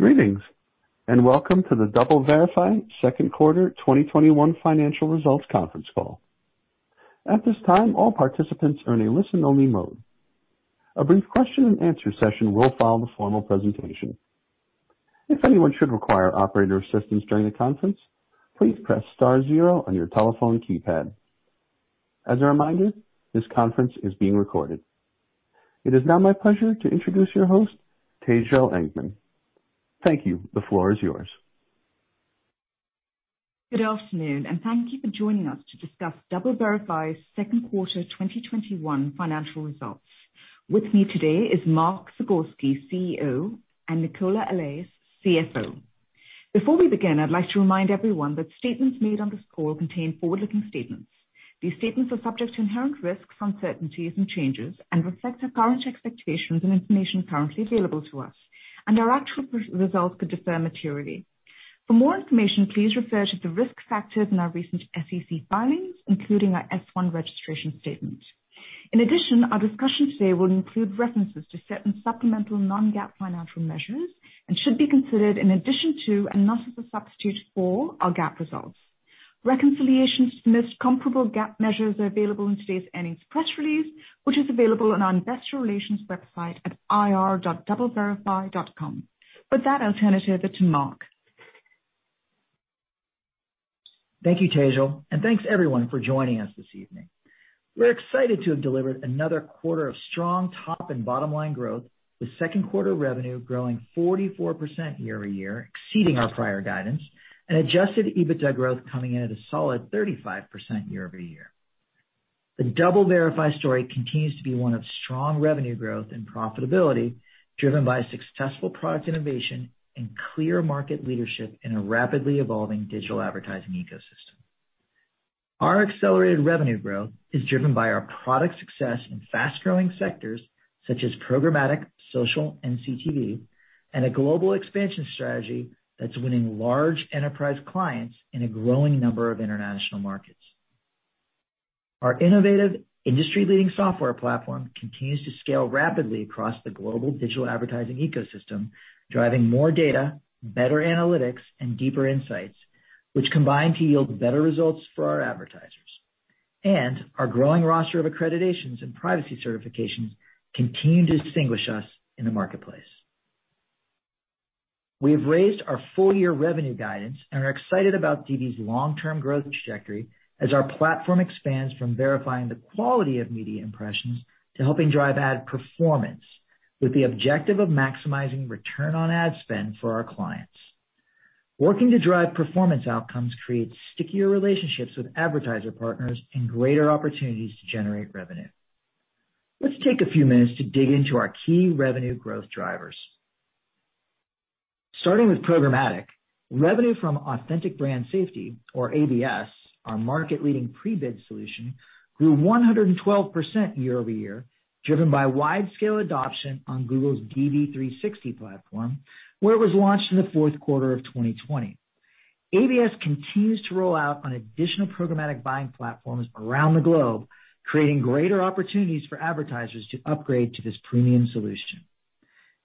Greetings, and welcome to the DoubleVerify Second Quarter 2021 Financial Results Conference Call. At this time, all participants are in a listen-only mode. A brief question and answer session will follow the formal presentation. As a reminder, this conference is being recorded. It is now my pleasure to introduce your host, Tejal Engman. Thank you. The floor is yours. Good afternoon. Thank you for joining us to discuss DoubleVerify's second quarter 2021 financial results. With me today is Mark Zagorski, CEO, and Nicola Allais, CFO. Before we begin, I'd like to remind everyone that statements made on this call contain forward-looking statements. These statements are subject to inherent risks, uncertainties, and changes, and reflect our current expectations and information currently available to us, and our actual results could differ materially. For more information, please refer to the risk factors in our recent SEC filings, including our S-1 registration statement. In addition, our discussion today will include references to certain supplemental non-GAAP financial measures and should be considered in addition to, and not as a substitute for, our GAAP results. Reconciliations to the most comparable GAAP measures are available in today's earnings press release, which is available on our investor relations website at ir.doubleverify.com. With that, I'll turn it over to Mark. Thank you, Tejal, and thanks everyone for joining us this evening. We're excited to have delivered another quarter of strong top and bottom-line growth, with second quarter revenue growing 44% year-over-year, exceeding our prior guidance, and adjusted EBITDA growth coming in at a solid 35% year-over-year. The DoubleVerify story continues to be one of strong revenue growth and profitability, driven by successful product innovation and clear market leadership in a rapidly evolving digital advertising ecosystem. Our accelerated revenue growth is driven by our product success in fast-growing sectors such as programmatic, social, and CTV, and a global expansion strategy that's winning large enterprise clients in a growing number of international markets. Our innovative industry-leading software platform continues to scale rapidly across the global digital advertising ecosystem, driving more data, better analytics, and deeper insights, which combine to yield better results for our advertisers. Our growing roster of accreditations and privacy certifications continue to distinguish us in the marketplace. We have raised our full-year revenue guidance and are excited about DV's long-term growth trajectory as our platform expands from verifying the quality of media impressions to helping drive ad performance, with the objective of maximizing return on ad spend for our clients. Working to drive performance outcomes creates stickier relationships with advertiser partners and greater opportunities to generate revenue. Let's take a few minutes to dig into our key revenue growth drivers. Starting with programmatic, revenue from Authentic Brand Safety, or ABS, our market-leading pre-bid solution, grew 112% year-over-year, driven by wide-scale adoption on Google's DV360 platform, where it was launched in the fourth quarter of 2020. ABS continues to roll out on additional programmatic buying platforms around the globe, creating greater opportunities for advertisers to upgrade to this premium solution.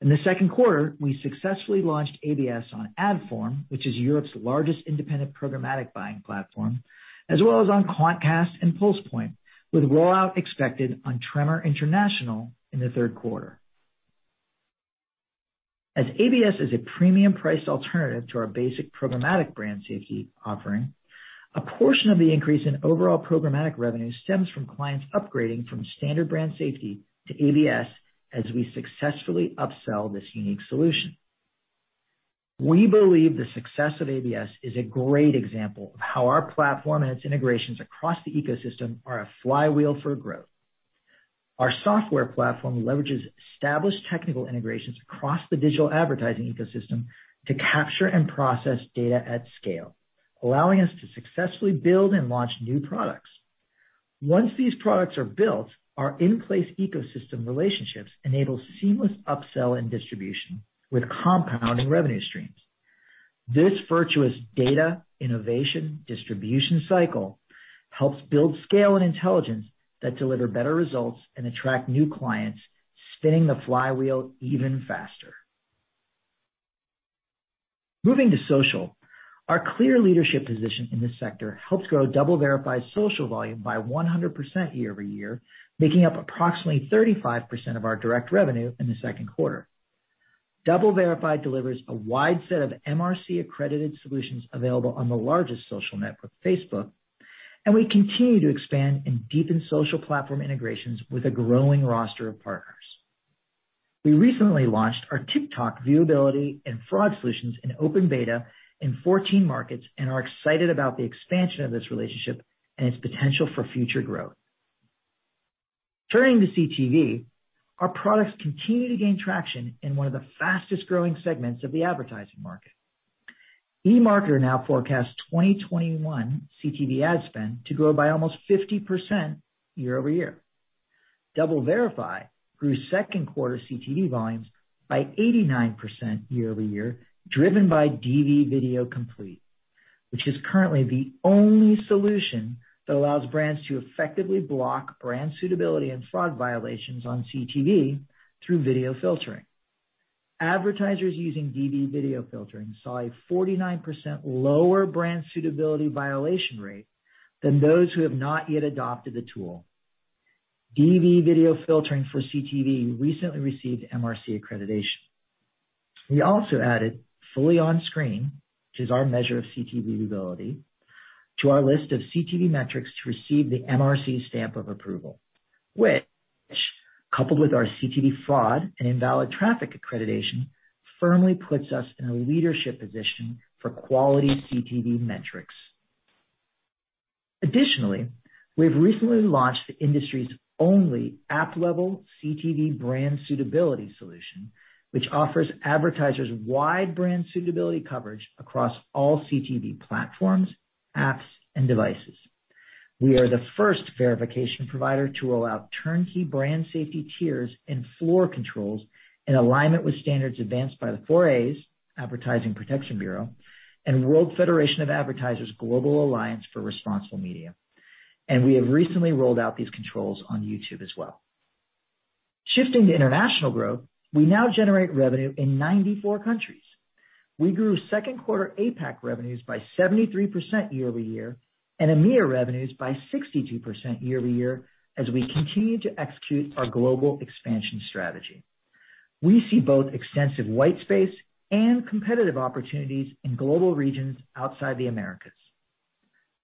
In the second quarter, we successfully launched ABS on Adform, which is Europe's largest independent programmatic buying platform, as well as on Quantcast and PulsePoint, with rollout expected on Tremor International in the third quarter. As ABS is a premium priced alternative to our basic programmatic brand safety offering, a portion of the increase in overall programmatic revenue stems from clients upgrading from standard brand safety to ABS as we successfully upsell this unique solution. We believe the success of ABS is a great example of how our platform and its integrations across the ecosystem are a flywheel for growth. Our software platform leverages established technical integrations across the digital advertising ecosystem to capture and process data at scale, allowing us to successfully build and launch new products. Once these products are built, our in-place ecosystem relationships enable seamless upsell and distribution with compounding revenue streams. This virtuous data, innovation, distribution cycle helps build scale and intelligence that deliver better results and attract new clients, spinning the flywheel even faster. Moving to social, our clear leadership position in this sector helped grow DoubleVerify's social volume by 100% year-over-year, making up approximately 35% of our direct revenue in the second quarter. DoubleVerify delivers a wide set of MRC-accredited solutions available on the largest social network, Facebook. We continue to expand and deepen social platform integrations with a growing roster of partners. We recently launched our TikTok viewability and fraud solutions in open beta in 14 markets and are excited about the expansion of this relationship and its potential for future growth. Turning to CTV, our products continue to gain traction in one of the fastest-growing segments of the advertising market. eMarketer now forecasts 2021 CTV ad spend to grow by almost 50% year-over-year. DoubleVerify grew second quarter CTV volumes by 89% year-over-year, driven by DV Video Complete. Which is currently the only solution that allows brands to effectively block brand suitability and fraud violations on CTV through video filtering. Advertisers using DV video filtering saw a 49% lower brand suitability violation rate than those who have not yet adopted the tool. DV video filtering for CTV recently received MRC accreditation. We also added Fully On-Screen, which is our measure of CTV viewability, to our list of CTV metrics to receive the MRC stamp of approval, which, coupled with our CTV fraud and invalid traffic accreditation, firmly puts us in a leadership position for quality CTV metrics. Additionally, we've recently launched the industry's only one app-level CTV brand suitability solution, which offers advertisers wide brand suitability coverage across all CTV platforms, apps, and devices. We are the first verification provider to allow turnkey brand safety tiers and floor controls in alignment with standards advanced by the 4A's Advertiser Protection Bureau and World Federation of Advertisers Global Alliance for Responsible Media. We have recently rolled out these controls on YouTube as well. Shifting to international growth, we now generate revenue in 94 countries. We grew second quarter APAC revenues by 73% year-over-year, and EMEA revenues by 62% year-over-year, as we continue to execute our global expansion strategy. We see both extensive white space and competitive opportunities in global regions outside the Americas.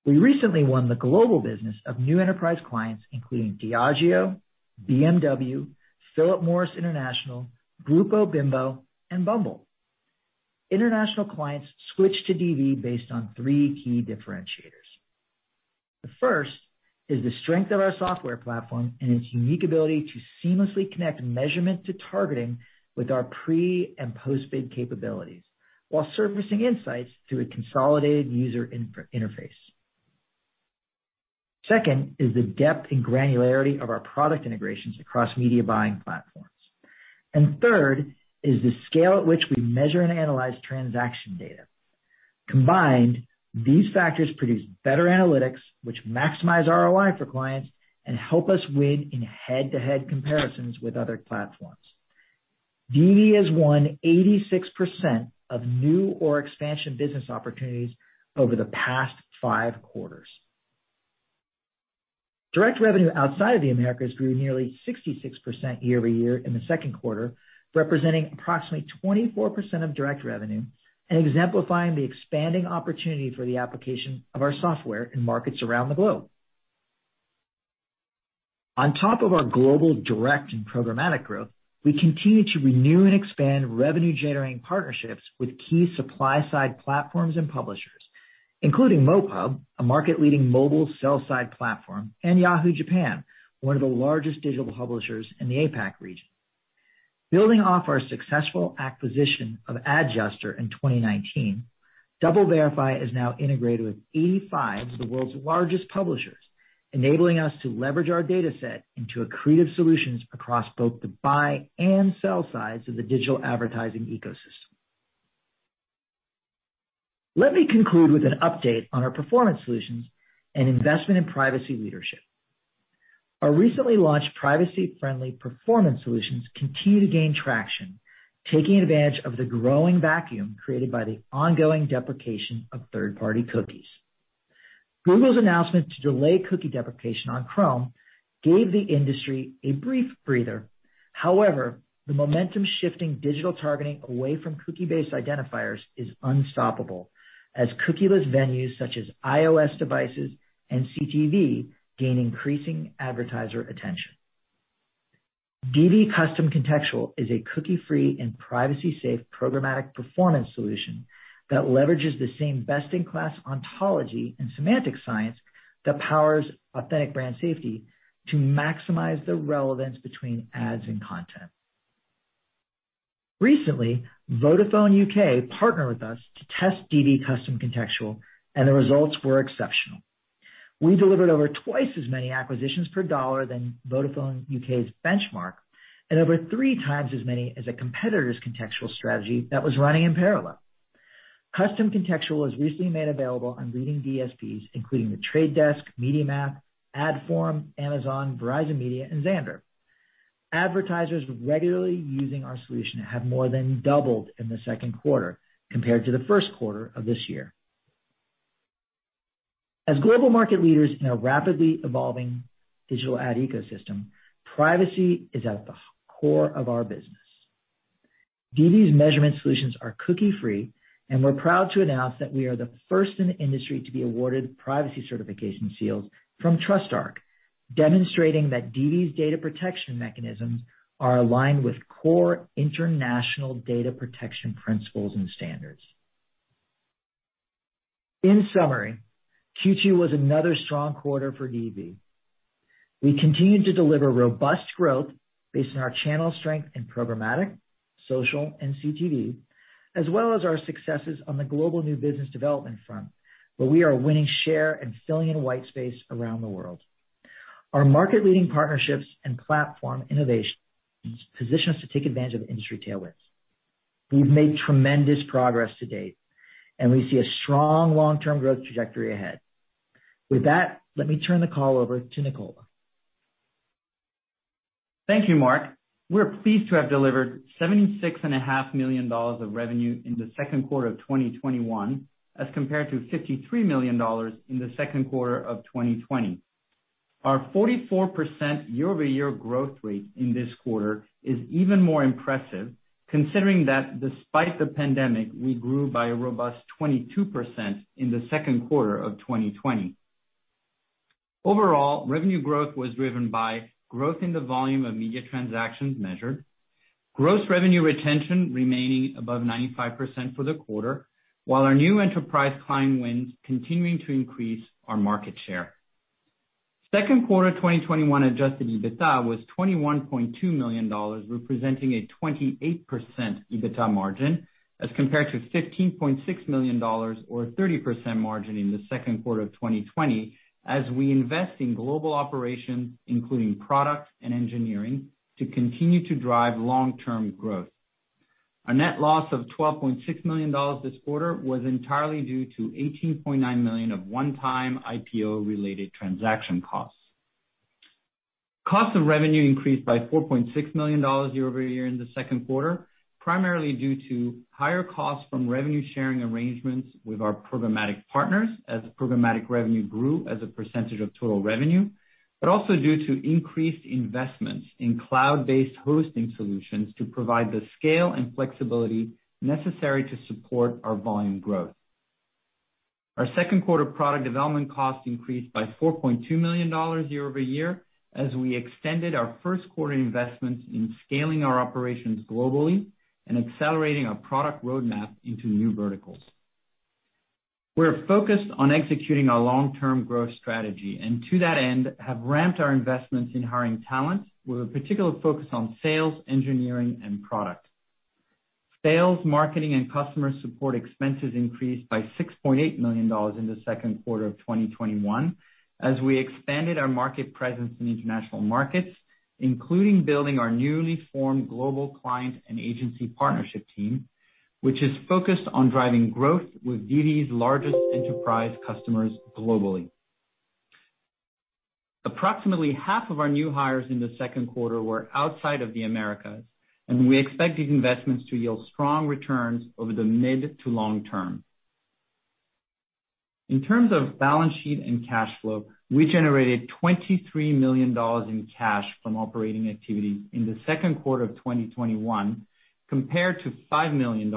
We recently won the global business of new enterprise clients including Diageo, BMW, Philip Morris International, Grupo Bimbo, and Bumble. International clients switch to DV based on three key differentiators. The first is the strength of our software platform and its unique ability to seamlessly connect measurement to targeting with our pre- and post-bid capabilities while surfacing insights through a consolidated user interface. Second is the depth and granularity of our product integrations across media buying platforms. Third is the scale at which we measure and analyze transaction data. Combined, these factors produce better analytics, which maximize ROI for clients and help us win in head-to-head comparisons with other platforms. DV has won 86% of new or expansion business opportunities over the past five quarters. Direct revenue outside of the Americas grew nearly 66% year-over-year in the second quarter, representing approximately 24% of direct revenue and exemplifying the expanding opportunity for the application of our software in markets around the globe. On top of our global direct and programmatic growth, we continue to renew and expand revenue-generating partnerships with key supply-side platforms and publishers, including MoPub, a market-leading mobile sell-side platform, and Yahoo! JAPAN, one of the largest digital publishers in the APAC region. Building off our successful acquisition of Ad-Juster in 2019, DoubleVerify is now integrated with 85 of the world's largest publishers, enabling us to leverage our data set into accretive solutions across both the buy and sell sides of the digital advertising ecosystem. Let me conclude with an update on our performance solutions and investment in privacy leadership. Our recently launched privacy-friendly performance solutions continue to gain traction, taking advantage of the growing vacuum created by the ongoing deprecation of third-party cookies. Google's announcement to delay cookie deprecation on Chrome gave the industry a brief breather. However, the momentum-shifting digital targeting away from cookie-based identifiers is unstoppable, as cookie-less venues such as iOS devices and CTV gain increasing advertiser attention. DV Custom Contextual is a cookie-free and privacy-safe programmatic performance solution that leverages the same best-in-class ontology and semantic science that powers Authentic Brand Safety to maximize the relevance between ads and content. Recently, Vodafone U.K. partnered with us to test DV Custom Contextual, and the results were exceptional. We delivered over twice as many acquisitions per dollar than Vodafone U.K.'s benchmark and over 3x as many as a competitor's contextual strategy that was running in parallel. Custom Contextual was recently made available on leading DSPs, including The Trade Desk, MediaMath, Adform, Amazon, Verizon Media, and Xandr. Advertisers regularly using our solution have more than doubled in the second quarter compared to the first quarter of this year. As global market leaders in a rapidly evolving digital ad ecosystem, privacy is at the core of our business. DV's measurement solutions are cookie-free, and we're proud to announce that we are the first in the industry to be awarded privacy certification seals from TrustArc, demonstrating that DV's data protection mechanisms are aligned with core international data protection principles and standards. In summary, Q2 was another strong quarter for DV. We continued to deliver robust growth based on our channel strength in programmatic, social, and CTV, as well as our successes on the global new business development front, where we are winning share and filling in white space around the world. Our market-leading partnerships and platform innovations position us to take advantage of industry tailwinds. We've made tremendous progress to date, and we see a strong long-term growth trajectory ahead. With that, let me turn the call over to Nicola. Thank you, Mark. We're pleased to have delivered $76.5 million of revenue in the second quarter of 2021, as compared to $53 million in the second quarter of 2020. Our 44% year-over-year growth rate in this quarter is even more impressive, considering that despite the pandemic, we grew by a robust 22% in the second quarter of 2020. Overall, revenue growth was driven by growth in the volume of media transactions measured, gross revenue retention remaining above 95% for the quarter, while our new enterprise client wins continuing to increase our market share. Second quarter 2021 adjusted EBITDA was $21.2 million, representing a 28% EBITDA margin, as compared to $15.6 million or 30% margin in the second quarter of 2020, as we invest in global operations, including product and engineering, to continue to drive long-term growth. Our net loss of $12.6 million this quarter was entirely due to $18.9 million of one-time IPO-related transaction costs. Cost of revenue increased by $4.6 million year-over-year in the second quarter, primarily due to higher costs from revenue-sharing arrangements with our programmatic partners as programmatic revenue grew as a percentage of total revenue, but also due to increased investments in cloud-based hosting solutions to provide the scale and flexibility necessary to support our volume growth. Our second quarter product development cost increased by $4.2 million year-over-year as we extended our first quarter investments in scaling our operations globally and accelerating our product roadmap into new verticals. We're focused on executing our long-term growth strategy, and to that end, have ramped our investments in hiring talent with a particular focus on sales, engineering, and product. Sales, marketing, and customer support expenses increased by $6.8 million in the second quarter of 2021 as we expanded our market presence in international markets, including building our newly formed global client and agency partnership team, which is focused on driving growth with DV's largest enterprise customers globally. Approximately half of our new hires in the second quarter were outside of the Americas, and we expect these investments to yield strong returns over the mid to long-term. In terms of balance sheet and cash flow, we generated $23 million in cash from operating activities in the second quarter of 2021 compared to $5 million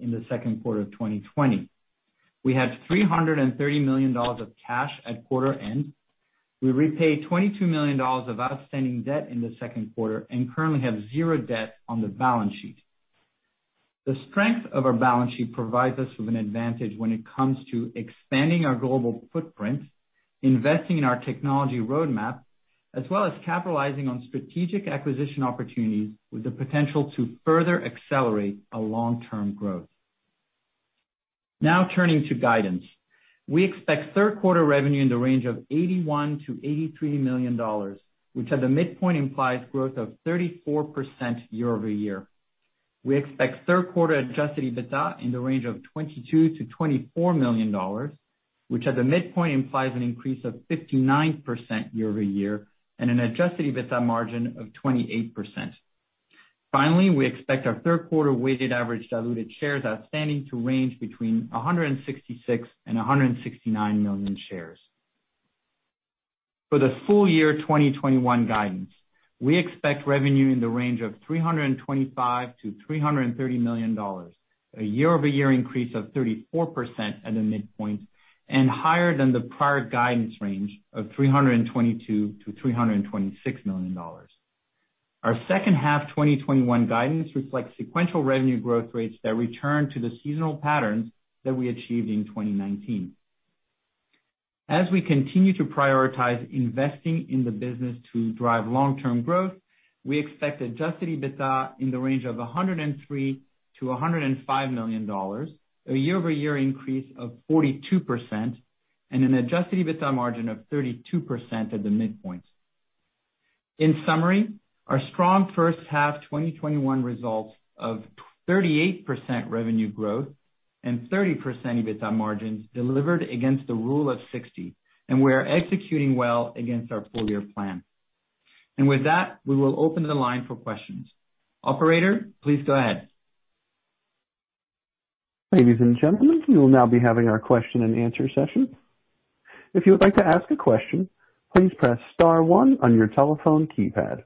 in the second quarter of 2020. We had $330 million of cash at quarter end. We repaid $22 million of outstanding debt in the second quarter, and currently have zero debt on the balance sheet. The strength of our balance sheet provides us with an advantage when it comes to expanding our global footprint, investing in our technology roadmap, as well as capitalizing on strategic acquisition opportunities with the potential to further accelerate our long-term growth. Turning to guidance. We expect third quarter revenue in the range of $81 million-$83 million, which at the midpoint implies growth of 34% year-over-year. We expect third quarter adjusted EBITDA in the range of $22 million-$24 million, which at the midpoint implies an increase of 59% year-over-year and an adjusted EBITDA margin of 28%. Finally, we expect our third quarter weighted average diluted shares outstanding to range between 166 million and 169 million shares. For the full year 2021 guidance, we expect revenue in the range of $325 million-$330 million, a year-over-year increase of 34% at the midpoint and higher than the prior guidance range of $322 million-$326 million. Our second half 2021 guidance reflects sequential revenue growth rates that return to the seasonal patterns that we achieved in 2019. As we continue to prioritize investing in the business to drive long-term growth, we expect adjusted EBITDA in the range of $103 million-$105 million, a year-over-year increase of 42%, and an adjusted EBITDA margin of 32% at the midpoint. In summary, our strong first half 2021 results of 38% revenue growth and 30% EBITDA margins delivered against the Rule of 60. We are executing well against our full year plan. With that, we will open the line for questions. Operator, please go ahead. Ladies and gentlemen, we will now be having our question and answer session. If you would like to ask a question, please press star one on your telephone keypad.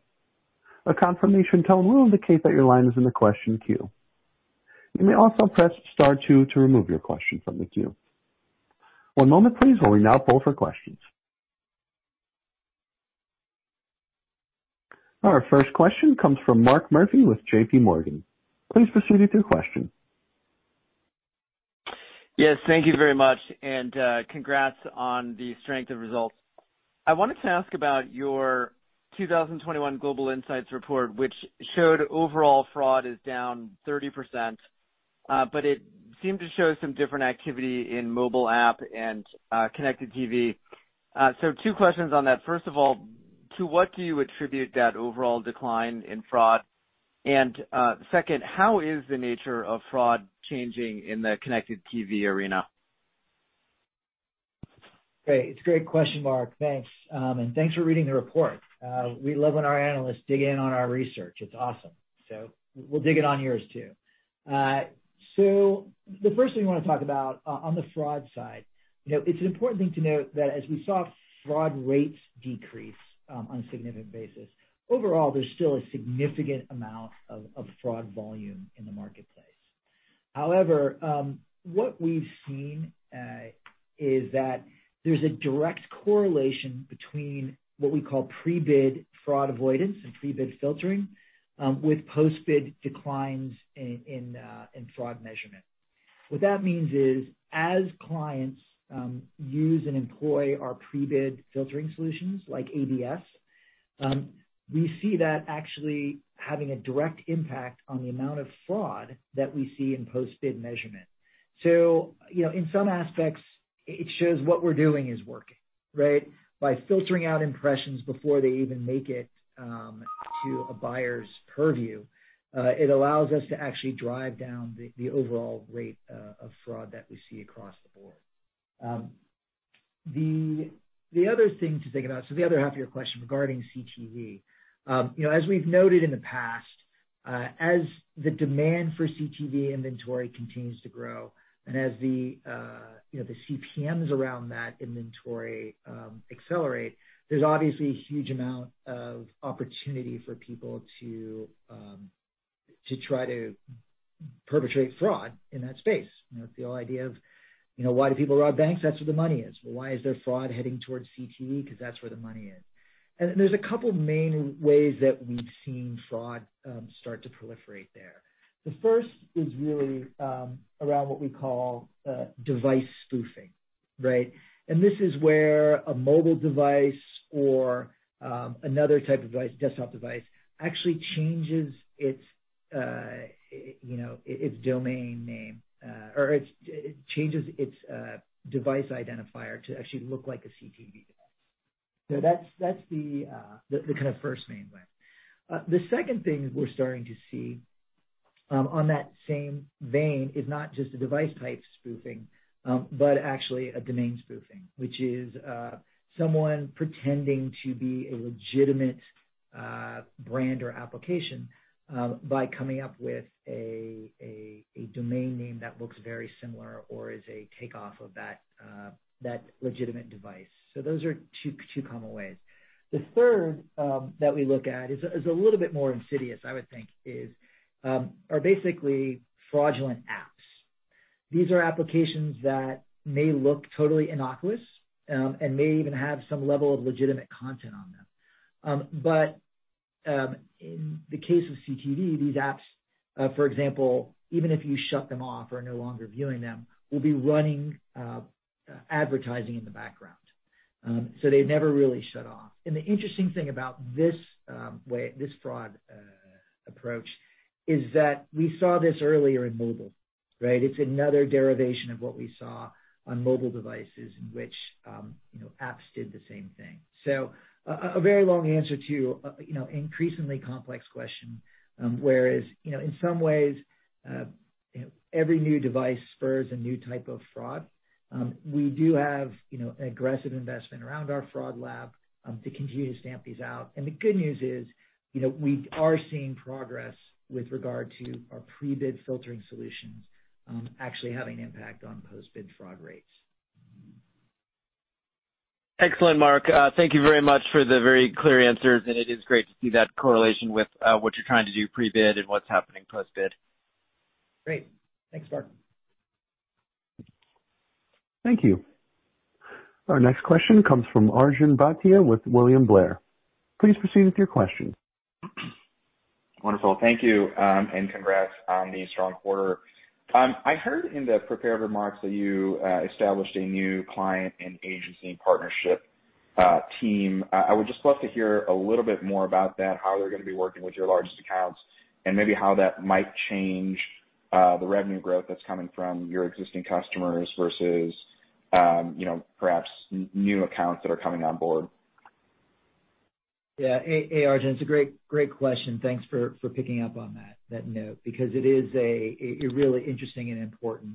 A confirmation tone will indicate that your line is in the question queue. You may also press star two to remove your question from the queue. One moment please while we now poll for questions. Our first question comes from Mark Murphy with J.P. Morgan. Please proceed with your question. Yes. Thank you very much, and congrats on the strength of results. I wanted to ask about your 2021 Global Insights Report, which showed overall fraud is down 30%. It seemed to show some different activity in mobile app and connected TV. Two questions on that. First of all, to what do you attribute that overall decline in fraud? Second, how is the nature of fraud changing in the connected TV arena? Great. It's a great question, Mark. Thanks. Thanks for reading the report. We love when our analysts dig in on our research. It's awesome. We'll dig in on yours, too. The first thing I want to talk about on the fraud side, it's an important thing to note that as we saw fraud rates decrease on a significant basis, overall, there's still a significant amount of fraud volume in the marketplace. However, what we've seen is that there's a direct correlation between what we call pre-bid fraud avoidance and pre-bid filtering with post-bid declines in fraud measurement. What that means is as clients use and employ our pre-bid filtering solutions like ABS, we see that actually having a direct impact on the amount of fraud that we see in post-bid measurement. In some aspects, it shows what we're doing is working. Right? By filtering out impressions before they even make it to a buyer's purview, it allows us to actually drive down the overall rate of fraud that we see across the board. The other thing to think about, so the other half of your question regarding CTV. As we've noted in the past, as the demand for CTV inventory continues to grow and as the CPMs around that inventory accelerate, there's obviously a huge amount of opportunity for people to try to perpetrate fraud in that space. It's the old idea of why do people rob banks? That's where the money is. Why is there fraud heading towards CTV? That's where the money is. There's a couple main ways that we've seen fraud start to proliferate there. The first is really around what we call device spoofing. Right? This is where a mobile device or another type of device, desktop device, actually changes its domain name or changes its device identifier to actually look like a CTV device. That's the kind of first main way. The second thing we're starting to see on that same vein is not just a device type spoofing, but actually a domain spoofing, which is someone pretending to be a legitimate brand or application by coming up with a domain name that looks very similar or is a takeoff of that legitimate device. Those are two common ways. The third that we look at is a little bit more insidious, I would think, are basically fraudulent apps. These are applications that may look totally innocuous and may even have some level of legitimate content on them. In the case of CTV, these apps, for example, even if you shut them off or are no longer viewing them, will be running advertising in the background. They never really shut off. The interesting thing about this fraud approach is that we saw this earlier in mobile. Right. It's another derivation of what we saw on mobile devices in which apps did the same thing. A very long answer to an increasingly complex question, whereas, in some ways every new device spurs a new type of fraud. We do have an aggressive investment around our fraud lab to continue to stamp these out. The good news is we are seeing progress with regard to our pre-bid filtering solutions actually having an impact on post-bid fraud rates. Excellent, Mark. Thank you very much for the very clear answers. It is great to see that correlation with what you're trying to do pre-bid and what's happening post-bid. Great. Thanks, Mark. Thank you. Our next question comes from Arjun Bhatia with William Blair. Please proceed with your question. Wonderful. Thank you, and congrats on the strong quarter. I heard in the prepared remarks that you established a new client and agency partnership team. I would just love to hear a little bit more about that, how they're going to be working with your largest accounts, and maybe how that might change the revenue growth that's coming from your existing customers versus perhaps new accounts that are coming on board. Yeah. Hey, Arjun. It's a great question. Thanks for picking up on that note, because it is a really interesting and important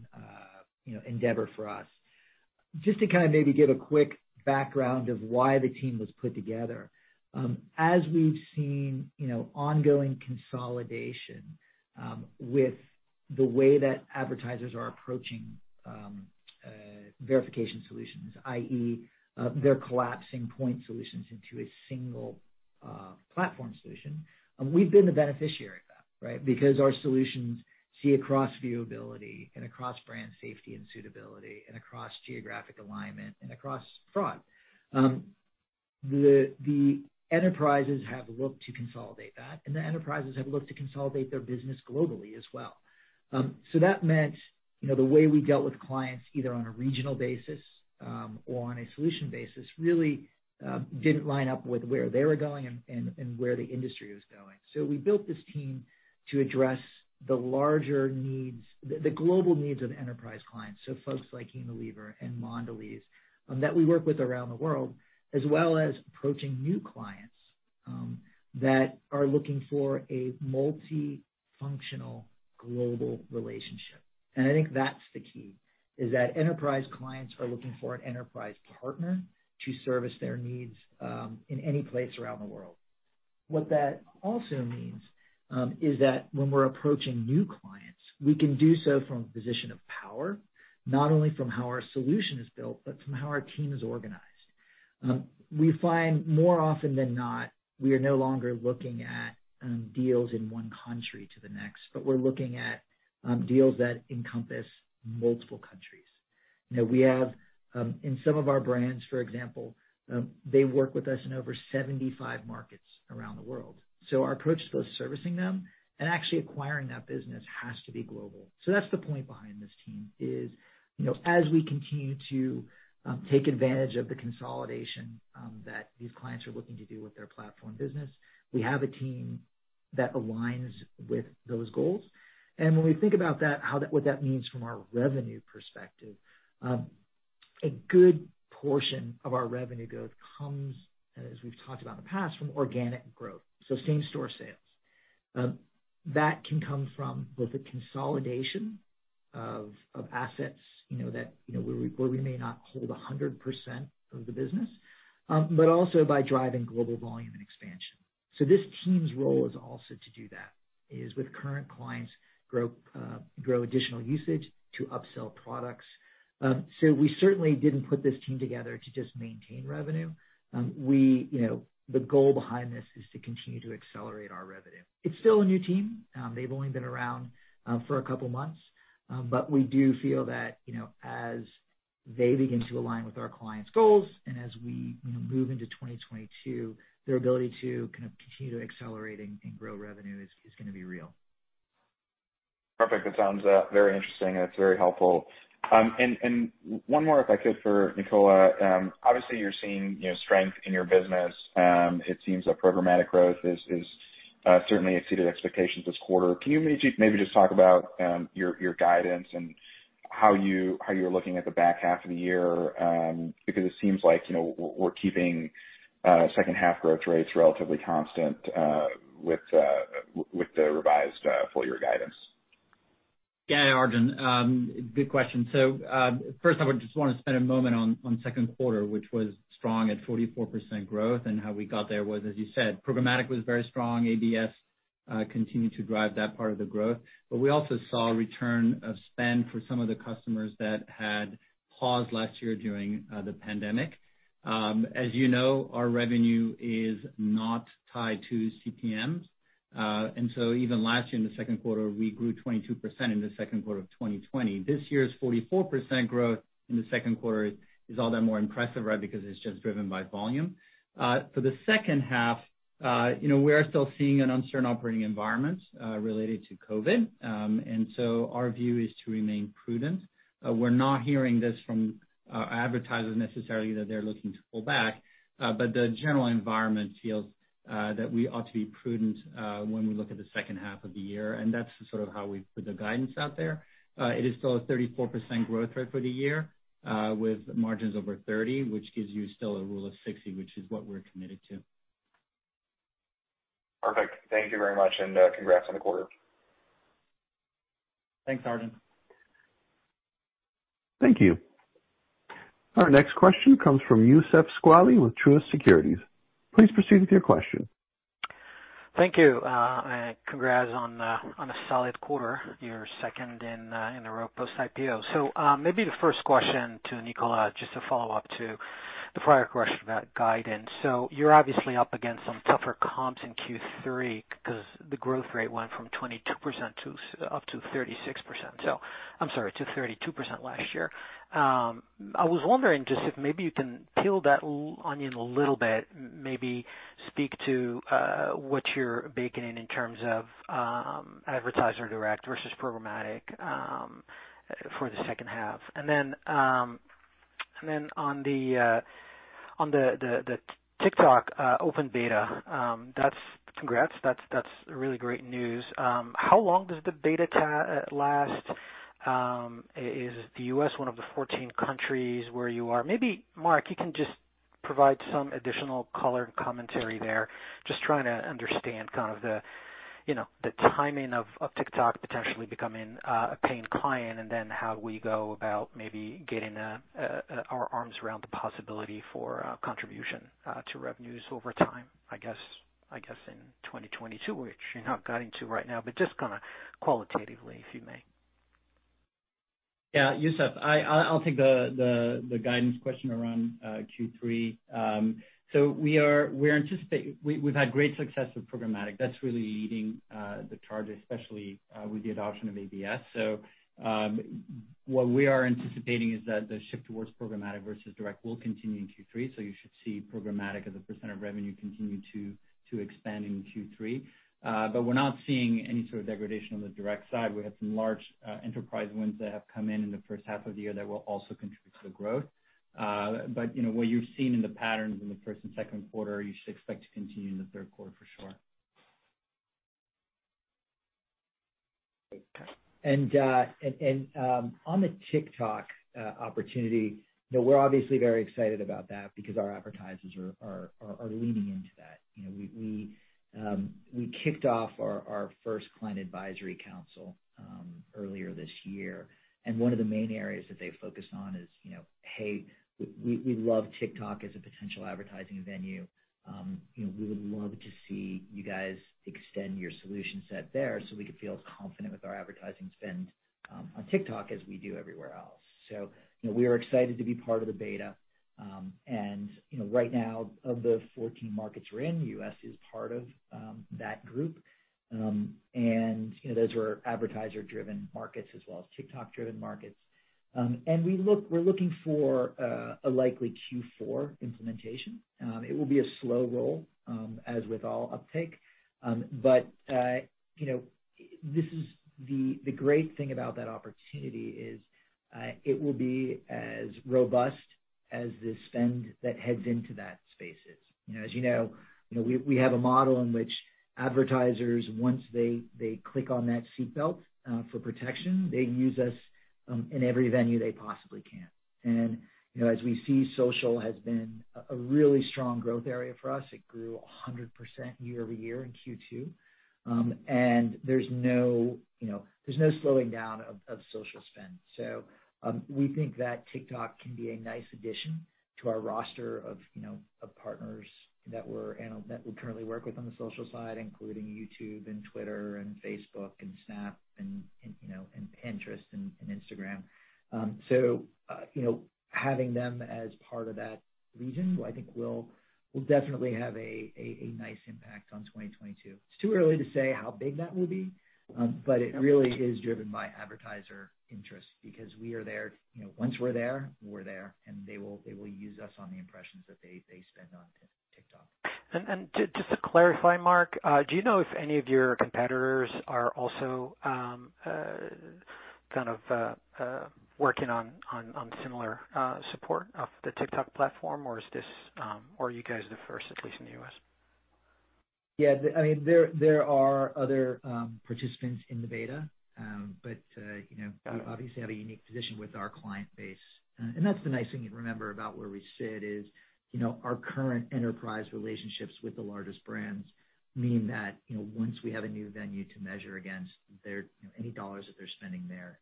endeavor for us. Just to kind of maybe give a quick background of why the team was put together. As we've seen ongoing consolidation with the way that advertisers are approaching verification solutions, i.e., they're collapsing point solutions into a single platform solution. We've been the beneficiary of that, right? Because our solutions see across viewability and across brand safety and suitability and across geographic alignment and across fraud. The enterprises have looked to consolidate that, and the enterprises have looked to consolidate their business globally as well. That meant. The way we dealt with clients, either on a regional basis or on a solution basis, really didn't line up with where they were going and where the industry was going. We built this team to address the larger needs, the global needs of enterprise clients. Folks like Unilever and Mondelez that we work with around the world, as well as approaching new clients that are looking for a multifunctional global relationship. I think that's the key, is that enterprise clients are looking for an enterprise partner to service their needs in any place around the world. What that also means is that when we're approaching new clients, we can do so from a position of power, not only from how our solution is built, but from how our team is organized. We find more often than not, we are no longer looking at deals in one country to the next, but we're looking at deals that encompass multiple countries. We have in some of our brands, for example, they work with us in over 75 markets around the world. Our approach to both servicing them and actually acquiring that business has to be global. That's the point behind this team, is as we continue to take advantage of the consolidation that these clients are looking to do with their platform business, we have a team that aligns with those goals. When we think about what that means from our revenue perspective, a good portion of our revenue growth comes, as we've talked about in the past, from organic growth, so same store sales. That can come from both the consolidation of assets that where we may not hold 100% of the business, but also by driving global volume and expansion. This team's role is also to do that, is with current clients grow additional usage to upsell products. We certainly didn't put this team together to just maintain revenue. The goal behind this is to continue to accelerate our revenue. It's still a new team. They've only been around for a couple of months, but we do feel that as they begin to align with our clients' goals and as we move into 2022, their ability to kind of continue to accelerate and grow revenue is going to be real. Perfect. That sounds very interesting and it's very helpful. One more, if I could, for Nicola. Obviously, you're seeing strength in your business. It seems that programmatic growth has certainly exceeded expectations this quarter. Can you maybe just talk about your guidance and how you're looking at the back half of the year? It seems like we're keeping second half growth rates relatively constant with the revised full year guidance. Yeah, Arjun. Good question. First I would just want to spend a moment on second quarter, which was strong at 44% growth. How we got there was, as you said, programmatic was very strong. ABS continued to drive that part of the growth. We also saw a return of spend for some of the customers that had paused last year during the pandemic. As you know, our revenue is not tied to CPMs. Even last year in the second quarter, we grew 22% in the second quarter of 2020. This year's 44% growth in the second quarter is all that more impressive, right? Because it's just driven by volume. For the second half, we are still seeing an uncertain operating environment related to COVID. Our view is to remain prudent. We're not hearing this from advertisers necessarily, that they're looking to pull back. The general environment feels that we ought to be prudent when we look at the second half of the year. That's sort of how we put the guidance out there. It is still a 34% growth rate for the year with margins over 30%, which gives you still a rule of 60%, which is what we're committed to. Perfect. Thank you very much, and congrats on the quarter. Thanks, Arjun. Thank you. Our next question comes from Youssef Squali with Truist Securities. Please proceed with your question. Thank you. Congrats on a solid quarter, your second in a row post IPO. Maybe the first question to Nicola, just to follow up to the prior question about guidance. You're obviously up against some tougher comps in Q3 because the growth rate went from 22% up to 36%. I'm sorry, to 32% last year. I was wondering just if maybe you can peel that onion a little, maybe speak to what you're baking in terms of advertiser direct versus programmatic for the second half. On the TikTok open beta, congrats. That's really great news. How long does the beta last? Is the U.S. one of the 14 countries where you are? Maybe, Mark, you can just provide some additional color and commentary there. Just trying to understand kind of the timing of TikTok potentially becoming a paying client, and then how we go about maybe getting our arms around the possibility for contribution to revenues over time, I guess in 2022, which you're not guiding to right now, but just kind of qualitatively, if you may. Yeah. Youssef, I'll take the guidance question around Q3. We've had great success with programmatic. That's really leading the charge, especially with the adoption of ABS. What we are anticipating is that the shift towards programmatic versus direct will continue in Q3. You should see programmatic as a percent of revenue continue to expand in Q3. We're not seeing any sort of degradation on the direct side. We had some large enterprise wins that have come in in the first half of the year that will also contribute to the growth. What you've seen in the patterns in the first and second quarter, you should expect to continue in the third quarter for sure. On the TikTok opportunity, we're obviously very excited about that because our advertisers are leaning into that. We kicked off our first client advisory council earlier this year, and one of the main areas that they focused on is, "Hey, we love TikTok as a potential advertising venue. We would love to see you guys extend your solution set there so we could feel as confident with our advertising spend on TikTok as we do everywhere else." We are excited to be part of the beta. Right now, of the 14 markets we're in, the U.S. is part of that group. Those were advertiser-driven markets as well as TikTok-driven markets. We're looking for a likely Q4 implementation. It will be a slow roll, as with all uptake. The great thing about that opportunity is it will be as robust as the spend that heads into that space is. As you know, we have a model in which advertisers, once they click on that seat belt for protection, they use us in every venue they possibly can. As we see, social has been a really strong growth area for us. It grew 100% year-over-year in Q2. There's no slowing down of social spend. We think that TikTok can be a nice addition to our roster of partners that we currently work with on the social side, including YouTube and Twitter and Facebook and Snap and Pinterest and Instagram. Having them as part of that legion, I think will definitely have a nice impact on 2022. It's too early to say how big that will be, but it really is driven by advertiser interest because once we're there, we're there, and they will use us on the impressions that they spend on TikTok. Just to clarify, Mark, do you know if any of your competitors are also working on similar support of the TikTok platform, or are you guys the first, at least in the U.S.? Yeah. There are other participants in the beta. We obviously have a unique position with our client base. That's the nice thing you remember about where we sit is, our current enterprise relationships with the largest brands mean that once we have a new venue to measure against, any dollars that they're spending there,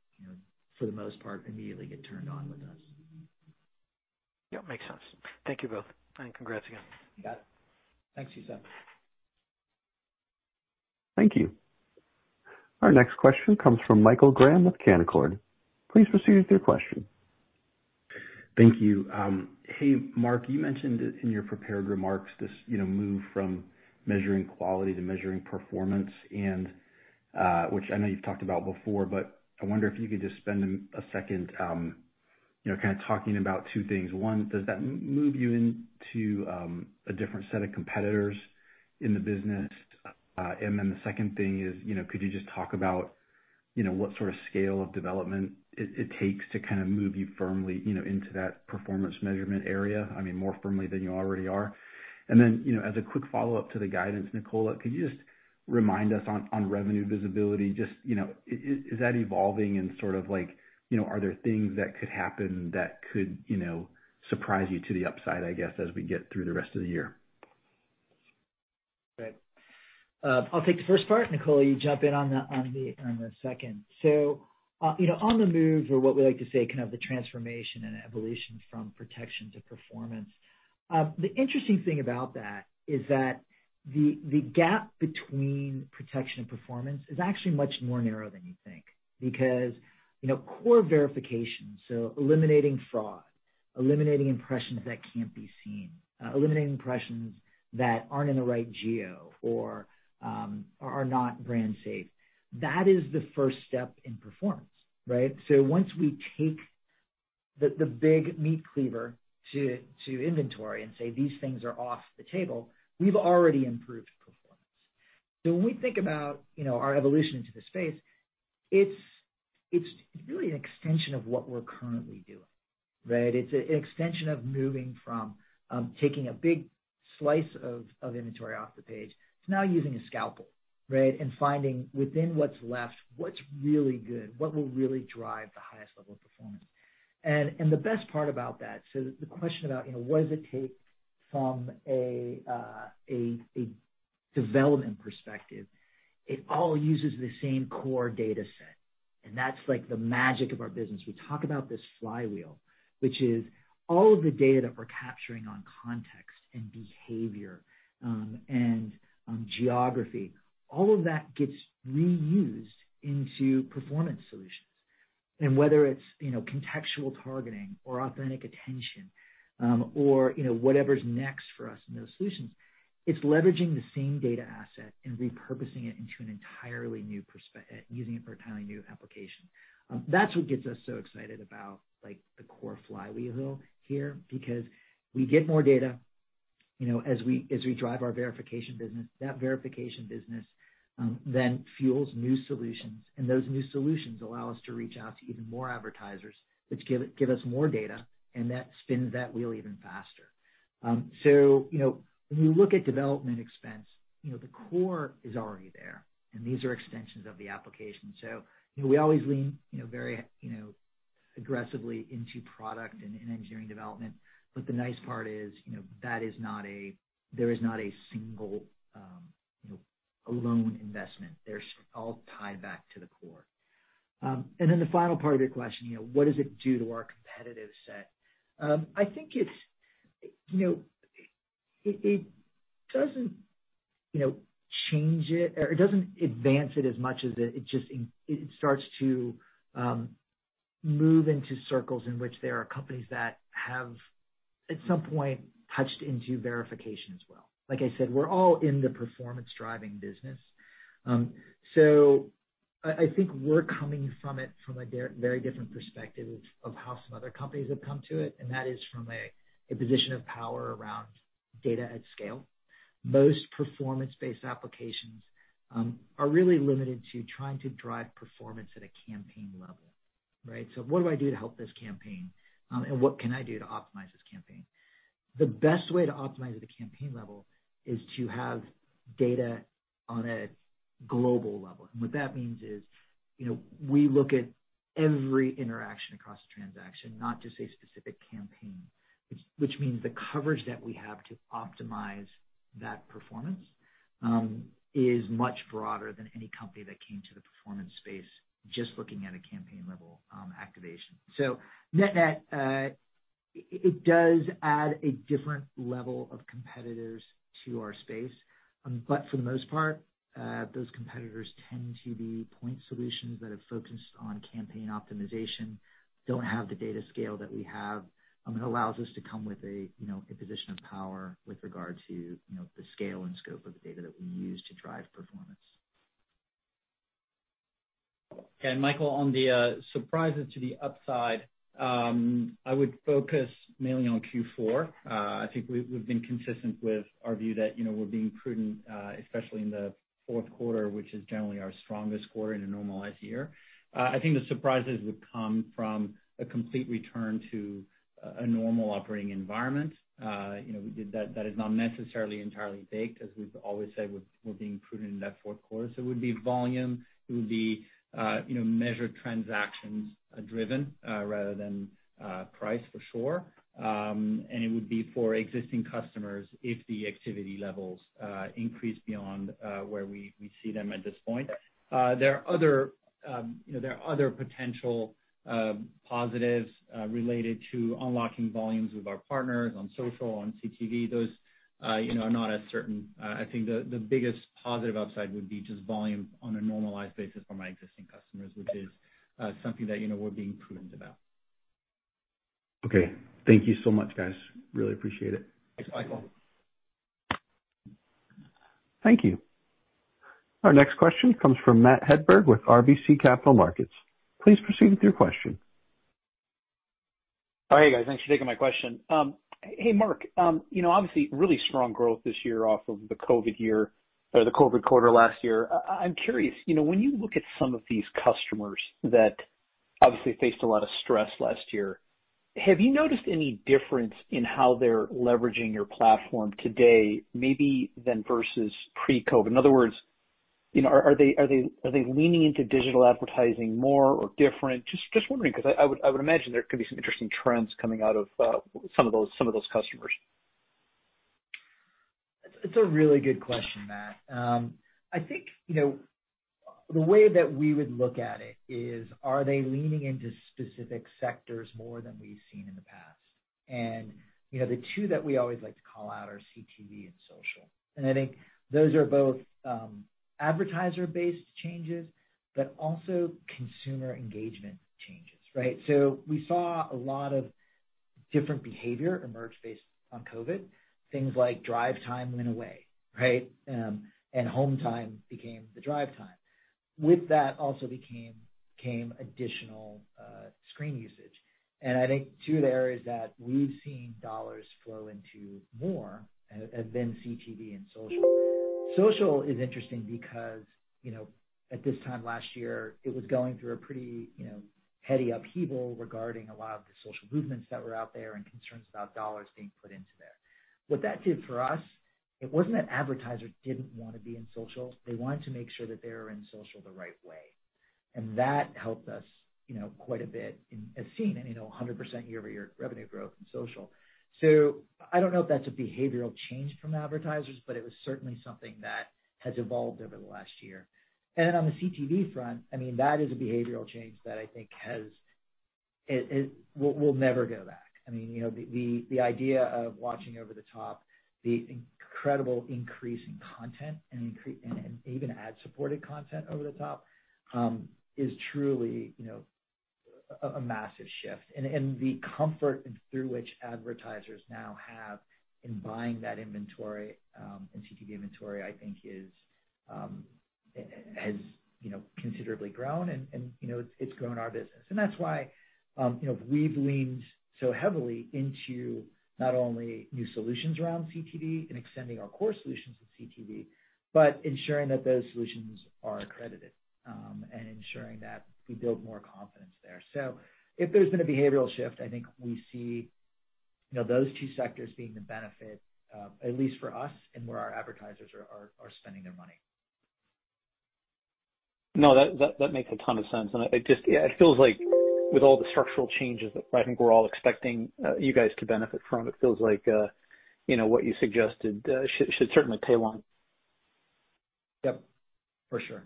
for the most part immediately get turned on with us. Yeah, makes sense. Thank you both, and congrats again. You got it. Thanks, Youssef. Thank you. Our next question comes from Michael Graham with Canaccord. Please proceed with your question. Thank you. Hey, Mark, you mentioned in your prepared remarks this move from measuring quality to measuring performance, and which I know you've talked about before, but I wonder if you could just spend a second kind of talking about two things. One, does that move you into a different set of competitors in the business? The second thing is could you just talk about what sort of scale of development it takes to kind of move you firmly into that performance measurement area, I mean, more firmly than you already are? As a quick follow-up to the guidance, Nicola, could you just remind us on revenue visibility, is that evolving and sort of are there things that could happen that could surprise you to the upside, I guess, as we get through the rest of the year? Right. I'll take the first part. Nicola, you jump in on the second. On the move or what we like to say kind of the transformation and evolution from protection to performance. The interesting thing about that is that the gap between protection and performance is actually much more narrow than you think because core verification, so eliminating fraud, eliminating impressions that can't be seen, eliminating impressions that aren't in the right geo or are not brand safe, that is the first step in performance, right? Once we take the big meat cleaver to inventory and say, "These things are off the table," we've already improved performance. When we think about our evolution into the space, it's really an extension of what we're currently doing, right? It's an extension of moving from taking a big slice of inventory off the page to now using a scalpel, right? Finding within what's left what's really good, what will really drive the highest level of performance. The best part about that, so the question about what does it take from a development perspective, it all uses the same core data set, and that's like the magic of our business. We talk about this flywheel, which is all of the data that we're capturing on context and behavior, and geography, all of that gets reused into performance solutions. Whether it's contextual targeting or Authentic Attention, or whatever's next for us in those solutions, it's leveraging the same data asset and repurposing it into an entirely new perspective, using it for an entirely new application. That's what gets us so excited about the core flywheel here, because we get more data as we drive our verification business. That verification business fuels new solutions, those new solutions allow us to reach out to even more advertisers, which give us more data, that spins that wheel even faster. When you look at development expense, the core is already there, these are extensions of the application. We always lean very aggressively into product and engineering development. The nice part is there is not a single alone investment. They're all tied back to the core. The final part of your question, what does it do to our competitive set? I think it doesn't change it doesn't advance it as much as it starts to move into circles in which there are companies that have, at some point, touched into verification as well. Like I said, we're all in the performance driving business. I think we're coming from it from a very different perspective of how some other companies have come to it, and that is from a position of power around data at scale. Most performance-based applications are really limited to trying to drive performance at a campaign level. Right? What do I do to help this campaign? What can I do to optimize this campaign? The best way to optimize at a campaign level is to have data on a global level. What that means is we look at every interaction across a transaction, not just a specific campaign, which means the coverage that we have to optimize that performance is much broader than any company that came to the performance space just looking at a campaign level activation. Net net, it does add a different level of competitors to our space. For the most part, those competitors tend to be point solutions that have focused on campaign optimization, don't have the data scale that we have. It allows us to come with a position of power with regard to the scale and scope of the data that we use to drive performance. Michael, on the surprises to the upside, I would focus mainly on Q4. I think we've been consistent with our view that we're being prudent, especially in the fourth quarter, which is generally our strongest quarter in a normalized year. I think the surprises would come from a complete return to a normal operating environment. That is not necessarily entirely baked, as we've always said, we're being prudent in that fourth quarter. It would be volume, it would be measured transactions driven rather than price for sure. It would be for existing customers if the activity levels increase beyond where we see them at this point. There are other potential positives related to unlocking volumes with our partners on social, on CTV. Those are not as certain. I think the biggest positive upside would be just volume on a normalized basis from our existing customers, which is something that we're being prudent about. Okay. Thank you so much, guys. Really appreciate it. Thanks, Michael. Thank you. Our next question comes from Matt Hedberg with RBC Capital Markets. Please proceed with your question. All right, guys, thanks for taking my question. Hey, Mark. Obviously, really strong growth this year off of the COVID quarter last year. I'm curious, when you look at some of these customers that obviously faced a lot of stress last year, have you noticed any difference in how they're leveraging your platform today, maybe than versus pre-COVID? In other words, are they leaning into digital advertising more or different? Just wondering, because I would imagine there could be some interesting trends coming out of some of those customers. It's a really good question, Matt. I think, the way that we would look at it is, are they leaning into specific sectors more than we've seen in the past? The two that we always like to call out are CTV and social. I think those are both advertiser-based changes, but also consumer engagement changes, right? We saw a lot of different behavior emerge based on COVID. Things like drive time went away, right? Home time became the drive time. With that also came additional screen usage. I think two of the areas that we've seen dollars flow into more have been CTV and social. Social is interesting because, at this time last year, it was going through a pretty heady upheaval regarding a lot of the social movements that were out there and concerns about dollars being put into there. What that did for us, it wasn't that advertisers didn't want to be in social. They wanted to make sure that they were in social the right way. That helped us quite a bit as seen in 100% year-over-year revenue growth in social. I don't know if that's a behavioral change from advertisers, but it was certainly something that has evolved over the last year. Then on the CTV front, that is a behavioral change that I think will never go back. The idea of watching over the top, the incredible increase in content and even ad-supported content over the top, is truly a massive shift. The comfort through which advertisers now have in buying that inventory, in CTV inventory, I think has considerably grown and it's grown our business. That's why we've leaned so heavily into not only new solutions around CTV and extending our core solutions with CTV, but ensuring that those solutions are accredited, and ensuring that we build more confidence there. If there's been a behavioral shift, I think we see those two sectors being the benefit, at least for us and where our advertisers are spending their money. No, that makes a ton of sense. It just, yeah, it feels like with all the structural changes that I think we're all expecting you guys to benefit from, it feels like what you suggested should certainly pay along. Yep, for sure.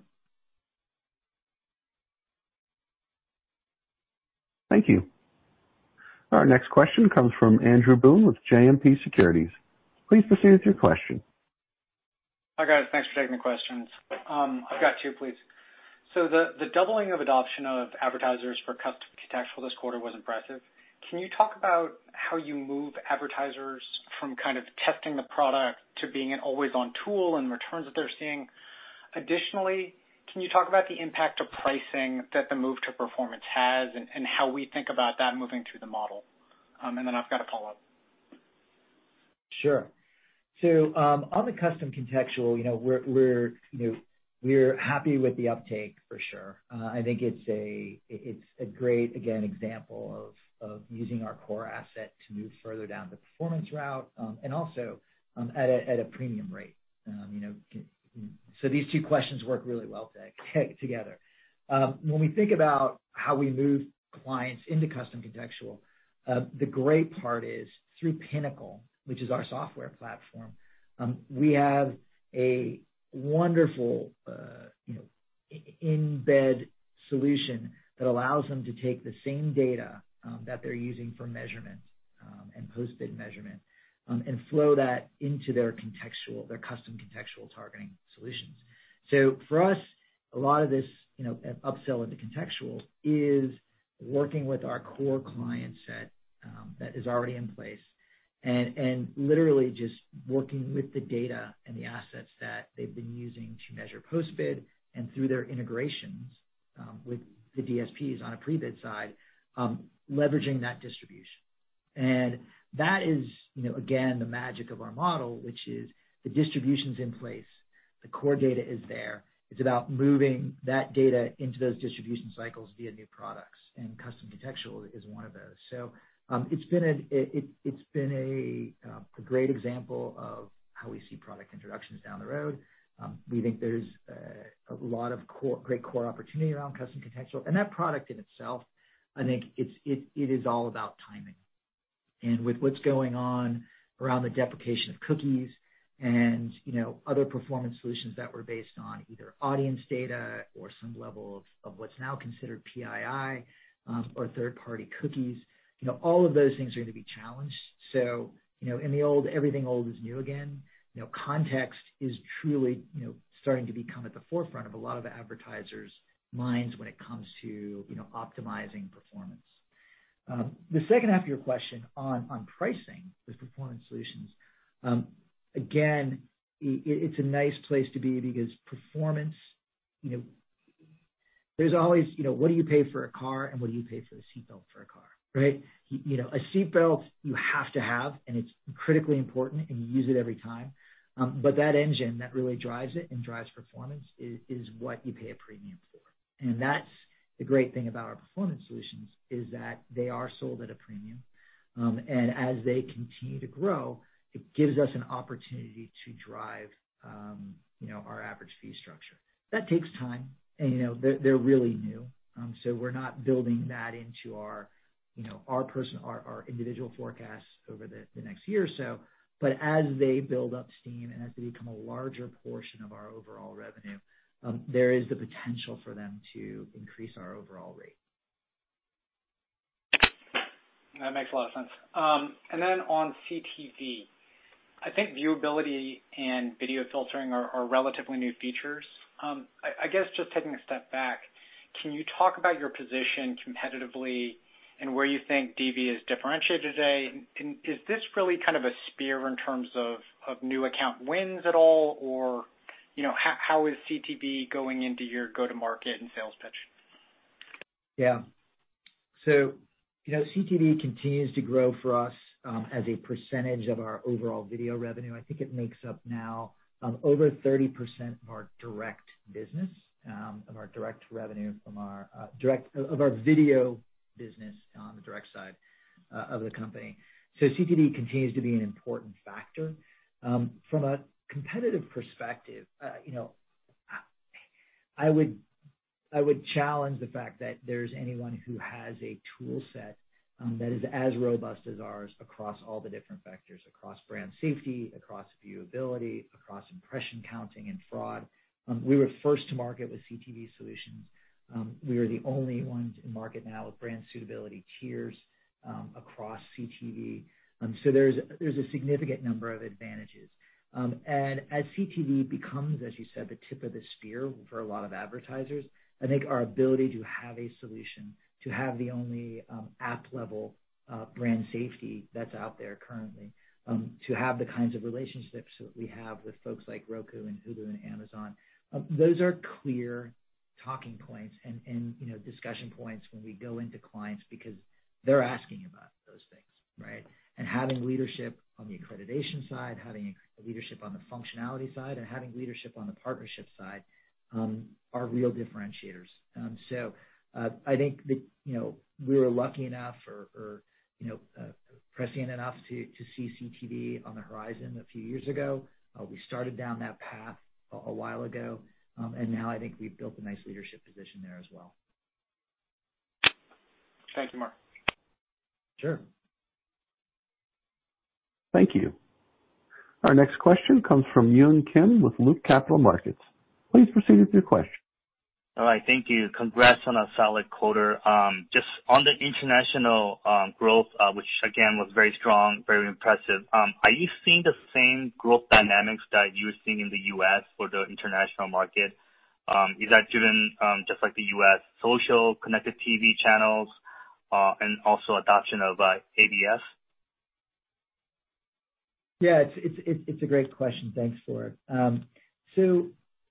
Thank you. Our next question comes from Andrew Boone with JMP Securities. Please proceed with your question. Hi, guys. Thanks for taking the questions. I've got two, please. The doubling of adoption of advertisers for Custom Contextual this quarter was impressive. Can you talk about how you move advertisers from kind of testing the product to being an always-on tool and returns that they're seeing? Additionally, can you talk about the impact of pricing that the move to performance has and how we think about that moving through the model? I've got a follow-up. Sure. On the Custom Contextual, we're happy with the uptake for sure. I think it's a great, again, example of using our core asset to move further down the performance route, and also at a premium rate. These two questions work really well together. When we think about how we move clients into Custom Contextual, the great part is through Pinnacle, which is our software platform, we have a wonderful embed solution that allows them to take the same data that they're using for measurement and post-bid measurement, and flow that into their Custom Contextual targeting solutions. For us, a lot of this upsell into contextual is working with our core client set that is already in place and literally just working with the data and the assets that they've been using to measure post-bid and through their integrations with the DSPs on a pre-bid side, leveraging that distribution. That is, again, the magic of our model, which is the distribution's in place, the core data is there. It's about moving that data into those distribution cycles via new products, and Custom Contextual is one of those. It's been a great example of how we see product introductions down the road. We think there's a lot of great core opportunity around Custom Contextual. That product in itself, I think it is all about timing. With what's going on around the deprecation of cookies and other performance solutions that were based on either audience data or some level of what's now considered PII or third-party cookies, all of those things are going to be challenged. In the old, everything old is new again. Context is truly starting to become at the forefront of a lot of advertisers' minds when it comes to optimizing performance. The second half of your question on pricing with performance solutions. Again, it's a nice place to be because performance, there's always, what do you pay for a car and what do you pay for the seatbelt for a car, right? A seatbelt you have to have, and it's critically important, and you use it every time. That engine that really drives it and drives performance is what you pay a premium for. That's the great thing about our performance solutions is that they are sold at a premium. As they continue to grow, it gives us an opportunity to drive our average fee structure. That takes time. They're really new. We're not building that into our individual forecasts over the next year or so. As they build up steam and as they become a larger portion of our overall revenue, there is the potential for them to increase our overall rate. That makes a lot of sense. On CTV, I think viewability and video filtering are relatively new features. I guess just taking a step back, can you talk about your position competitively and where you think DV is differentiated today? Is this really kind of a spear in terms of new account wins at all? How is CTV going into your go-to-market and sales pitch? Yeah. CTV continues to grow for us as a percentage of our overall video revenue. I think it makes up now over 30% of our direct business, of our direct revenue from our video business on the direct side of the company. CTV continues to be an important factor. From a competitive perspective, I would challenge the fact that there's anyone who has a tool set that is as robust as ours across all the different vectors, across brand safety, across viewability, across impression counting and fraud. We were first to market with CTV solutions. We are the only ones in market now with brand suitability tiers across CTV. There's a significant number of advantages. As CTV becomes, as you said, the tip of the spear for a lot of advertisers, I think our ability to have a solution, to have the only app-level brand safety that's out there currently, to have the kinds of relationships that we have with folks like Roku and Hulu and Amazon, those are clear talking points and discussion points when we go into clients because they're asking about those things, right? Having leadership on the accreditation side, having leadership on the functionality side, and having leadership on the partnership side are real differentiators. I think that we were lucky enough or prescient enough to see CTV on the horizon a few years ago. We started down that path a while ago, and now I think we've built a nice leadership position there as well. Thank you, Mark. Sure. Thank you. Our next question comes from Yun Kim with Loop Capital Markets. Please proceed with your question. All right. Thank you. Congrats on a solid quarter. Just on the international growth, which again, was very strong, very impressive. Are you seeing the same growth dynamics that you're seeing in the U.S. for the international market? Is that driven, just like the U.S. social connected TV channels, and also adoption of ABS? Yeah, it's a great question. Thanks for it.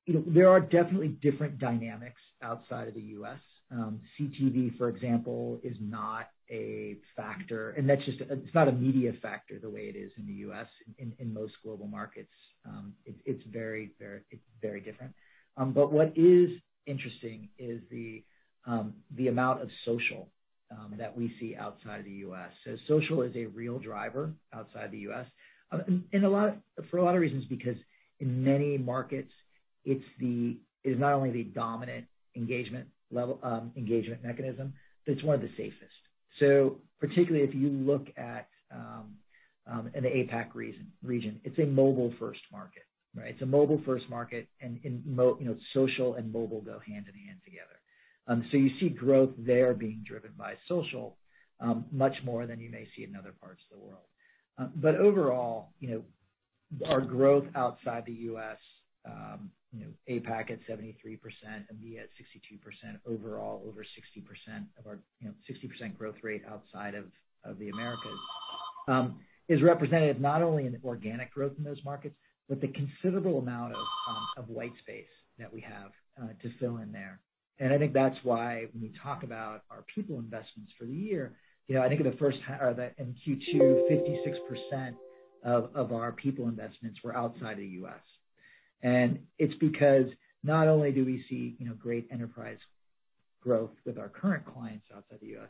There are definitely different dynamics outside of the U.S. CTV, for example, is not a factor, and it's not a media factor the way it is in the U.S. in most global markets. It's very different. What is interesting is the amount of social that we see outside of the U.S. Social is a real driver outside the U.S. for a lot of reasons, because in many markets, it's not only the dominant engagement mechanism, but it's one of the safest. Particularly if you look at in the APAC region, it's a mobile-first market, right? It's a mobile-first market and social and mobile go hand in hand together. You see growth there being driven by social, much more than you may see in other parts of the world. Overall, our growth outside the U.S., APAC at 73% and EMEA at 62%, overall over 60% growth rate outside of the Americas, is representative not only in the organic growth in those markets, but the considerable amount of white space that we have to fill in there. I think that's why when we talk about our people investments for the year, I think in Q2, 56% of our people investments were outside the U.S. It's because not only do we see great enterprise growth with our current clients outside the U.S.,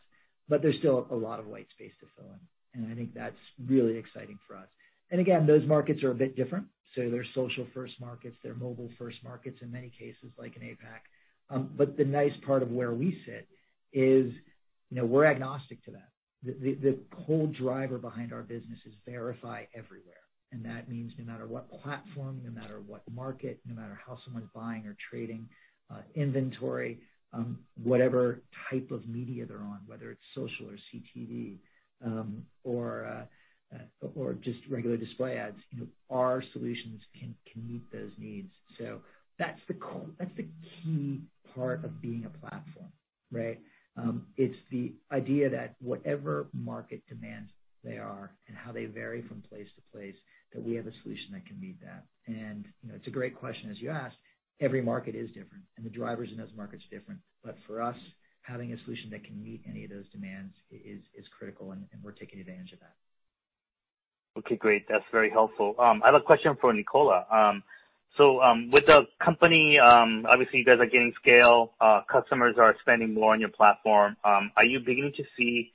but there's still a lot of white space to fill in. I think that's really exciting for us. Again, those markets are a bit different. They're social-first markets, they're mobile-first markets in many cases like in APAC. The nice part of where we sit is, we're agnostic to that. The whole driver behind our business is verify everywhere. That means no matter what platform, no matter what market, no matter how someone's buying or trading inventory, whatever type of media they're on, whether it's social or CTV, or just regular display ads, our solutions can meet those needs. That's the key part of being a platform, right? It's the idea that whatever market demands they are and how they vary from place to place, that we have a solution that can meet that. It's a great question as you asked. Every market is different, and the drivers in those markets are different. For us, having a solution that can meet any of those demands is critical, and we're taking advantage of that. Okay, great. That's very helpful. I have a question for Nicola. With the company, obviously you guys are gaining scale, customers are spending more on your platform. Are you beginning to see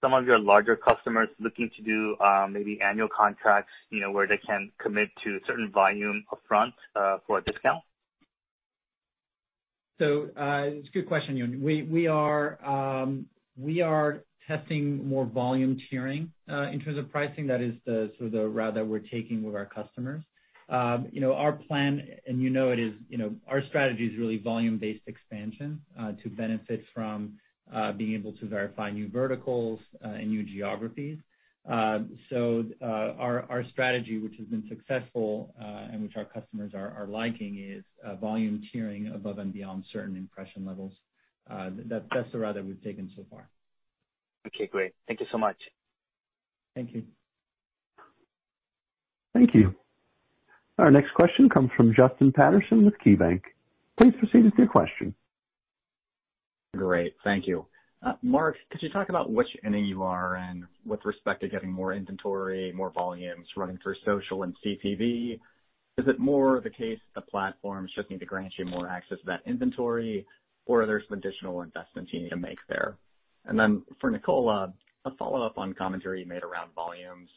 some of your larger customers looking to do maybe annual contracts where they can commit to a certain volume upfront for a discount? It's a good question, Yun. We are testing more volume tiering, in terms of pricing. That is the sort of route that we're taking with our customers. Our plan and our strategy is really volume-based expansion, to benefit from being able to verify new verticals and new geographies. Our strategy, which has been successful, and which our customers are liking, is volume tiering above and beyond certain impression levels. That's the route that we've taken so far. Okay, great. Thank you so much. Thank you. Thank you. Our next question comes from Justin Patterson with KeyBanc. Please proceed with your question. Great. Thank you. Mark, could you talk about which inning you are in with respect to getting more inventory, more volumes running through social and CTV? Is it more the case the platforms just need to grant you more access to that inventory or are there some additional investments you need to make there? Then for Nicola, a follow-up on commentary you made around volumes.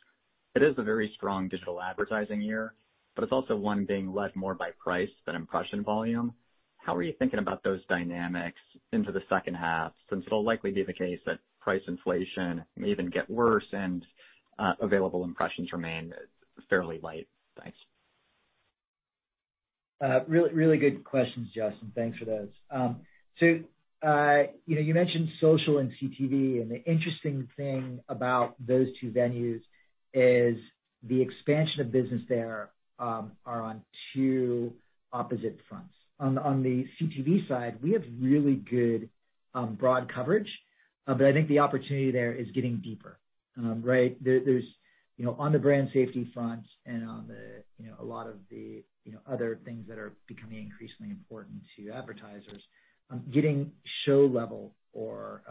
It is a very strong digital advertising year, it's also one being led more by price than impression volume. How are you thinking about those dynamics into the second half, since it'll likely be the case that price inflation may even get worse and available impressions remain fairly light? Thanks. Really good questions, Justin. Thanks for those. You mentioned social and CTV, and the interesting thing about those two venues is the expansion of business there are on two opposite fronts. On the CTV side, we have really good broad coverage. I think the opportunity there is getting deeper. Right? On the brand safety front and on a lot of the other things that are becoming increasingly important to advertisers, getting show level or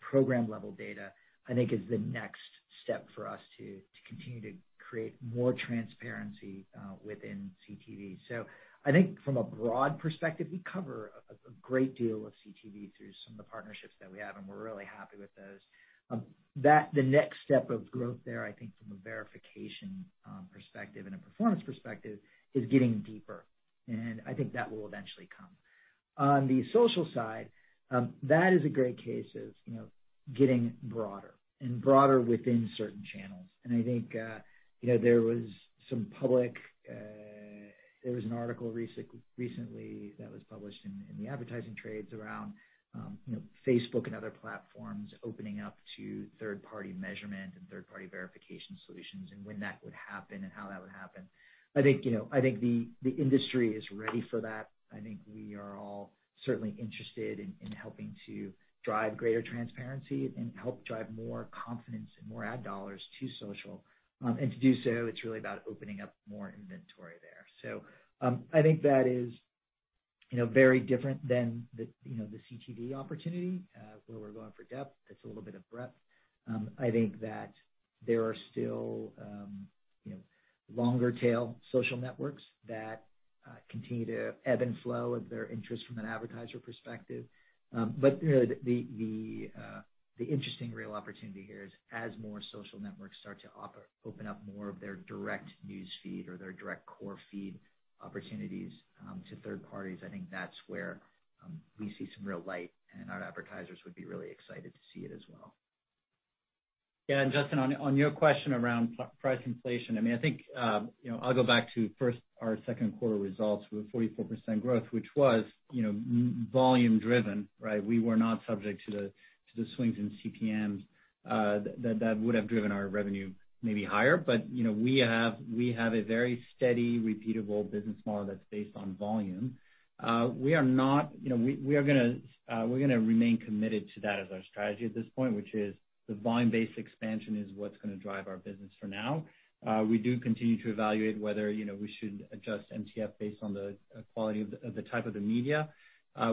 program level data, I think is the next step for us to continue to create more transparency within CTV. I think from a broad perspective, we cover a great deal of CTV through some of the partnerships that we have, and we're really happy with those. The next step of growth there, I think from a verification perspective and a performance perspective, is getting deeper, and I think that will eventually come. On the social side, that is a great case of getting broader and broader within certain channels. I think there was an article recently that was published in the advertising trades around Facebook and other platforms opening up to third-party measurement and third-party verification solutions, and when that would happen and how that would happen. I think the industry is ready for that. I think we are all certainly interested in helping to drive greater transparency and help drive more confidence and more ad dollars to social. To do so, it's really about opening up more inventory there. I think that is very different than the CTV opportunity, where we're going for depth. It's a little bit of breadth. I think that there are still longer tail social networks that continue to ebb and flow of their interest from an advertiser perspective. The interesting real opportunity here is as more social networks start to open up more of their direct news feed or their direct core feed opportunities to third parties, I think that's where we see some real light, and our advertisers would be really excited to see it as well. Yeah. Justin, on your question around price inflation, I think I'll go back to first our second quarter results with 44% growth, which was volume-driven, right? We were not subject to the swings in CPMs. That would have driven our revenue maybe higher. We have a very steady, repeatable business model that's based on volume. We're going to remain committed to that as our strategy at this point, which is the volume-based expansion is what's going to drive our business for now. We do continue to evaluate whether we should adjust MTF based on the quality of the type of the media.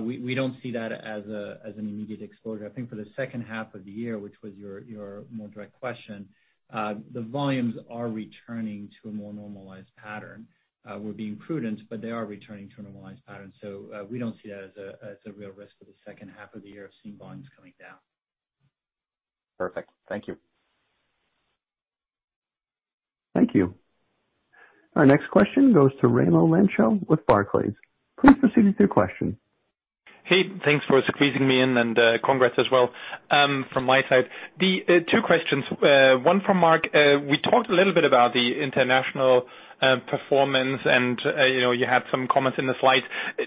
We don't see that as an immediate exposure. I think for the second half of the year, which was your more direct question, the volumes are returning to a more normalized pattern. We're being prudent, but they are returning to a normalized pattern. We don't see that as a real risk for the second half of the year of seeing volumes coming down. Perfect. Thank you. Thank you. Our next question goes to Raimo Lenschow with Barclays. Please proceed with your question. Hey, thanks for squeezing me in, and congrats as well from my side. The two questions, one for Mark. We talked a little bit about the international performance, and you had some comments in the slides.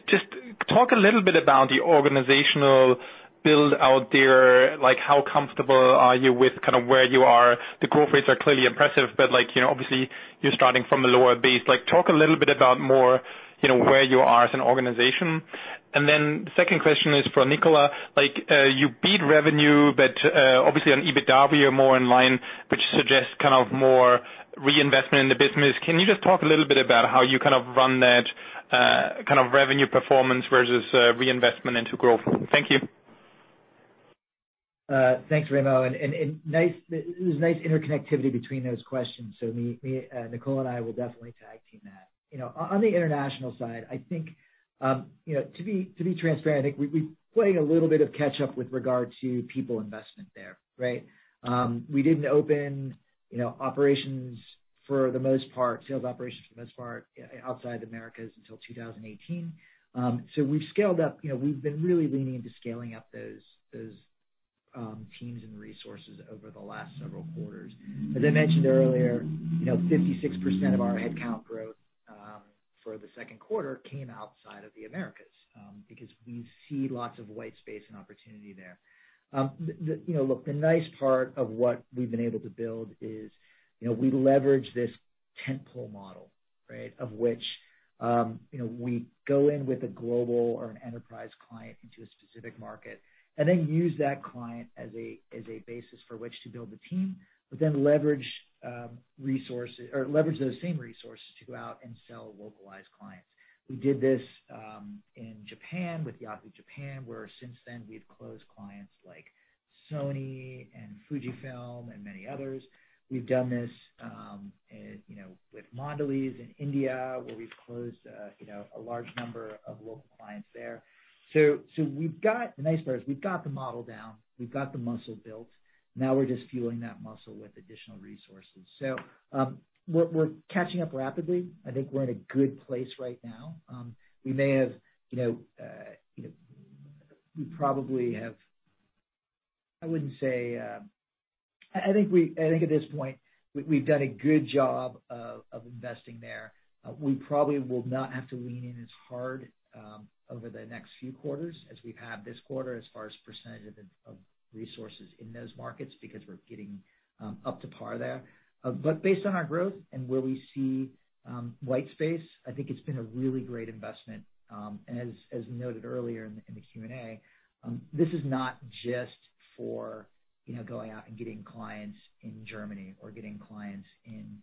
Just talk a little bit about the organizational build-out there, like how comfortable are you with kind of where you are. The growth rates are clearly impressive, but obviously, you're starting from a lower base. Talk a little bit about more where you are as an organization. The second question is for Nicola. You beat revenue, but obviously on EBITDA, we are more in line, which suggests kind of more reinvestment in the business. Can you just talk a little bit about how you kind of run that kind of revenue performance versus reinvestment into growth? Thank you. Thanks, Raimo. It was nice interconnectivity between those questions. Nicola and I will definitely tag team that. On the international side, I think to be transparent, I think we're playing a little bit of catch up with regard to people investment there, right? We didn't open operations for the most part, sales operations for the most part, outside the Americas until 2018. We've scaled up. We've been really leaning into scaling up those teams and resources over the last several quarters. As I mentioned earlier, 56% of our headcount growth for the second quarter came outside of the Americas because we see lots of white space and opportunity there. The nice part of what we've been able to build is we leverage this tent pole model, right? Of which we go in with a global or an enterprise client into a specific market and then use that client as a basis for which to build the team, but then leverage those same resources to go out and sell localized clients. We did this in Japan with Yahoo! JAPAN, where since then we've closed clients like Sony and Fujifilm and many others. We've done this with Mondelez in India, where we've closed a large number of local clients there. So the nice part is we've got the model down, we've got the muscle built. Now we're just fueling that muscle with additional resources. So we're catching up rapidly. I think we're in a good place right now. I think at this point, we've done a good job of investing there. We probably will not have to lean in as hard over the next few quarters as we have this quarter as far as percentage of resources in those markets, because we're getting up to par there. Based on our growth and where we see white space, I think it's been a really great investment. As noted earlier in the Q&A, this is not just for going out and getting clients in Germany or getting clients in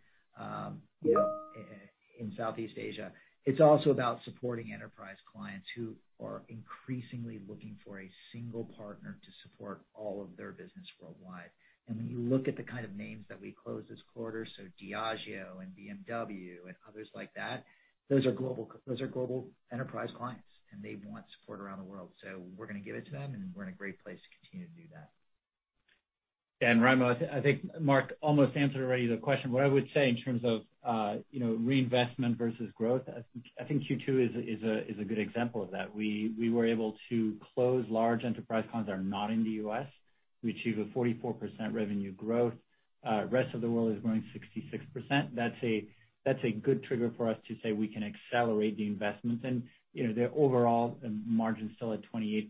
Southeast Asia. It's also about supporting enterprise clients who are increasingly looking for a single partner to support all of their business worldwide. When you look at the kind of names that we closed this quarter, so Diageo and BMW and others like that, those are global enterprise clients, and they want support around the world. We're going to give it to them, and we're in a great place to continue to do that. Raimo, I think Mark almost answered already the question. What I would say in terms of reinvestment versus growth, I think Q2 is a good example of that. We were able to close large enterprise clients that are not in the U.S. We achieved a 44% revenue growth. Rest of the world is growing 66%. That's a good trigger for us to say we can accelerate the investments. The overall margin is still at 28%.